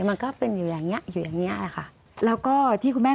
มันก็เป็นอยู่อย่างเงี้อยู่อย่างเงี้ยนะคะแล้วก็ที่คุณแม่